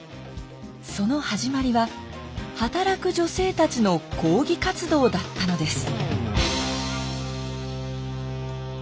その始まりは働く女性たちの抗議活動だったのです。